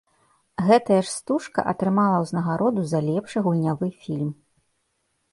Гэтая ж стужка атрымала ўзнагароду за лепшы гульнявы фільм.